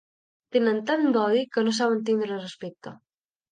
Tenen tant d'odi que no saben tindre respecte.